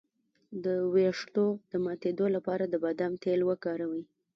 د ویښتو د ماتیدو لپاره د بادام تېل وکاروئ